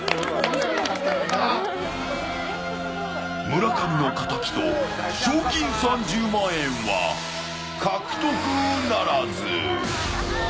村上の敵と、賞金３０万円は獲得ならず。